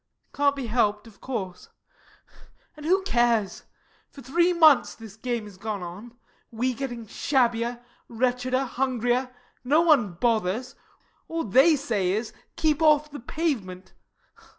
Can't be helped, of course. And who cares? For three months this game has gone on we getting shabbier, wretcheder, hungrier no one bothers all they say is "keep off the pavement."